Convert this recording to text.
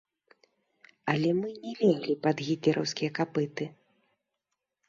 Але мы не леглі пад гітлераўскія капыты!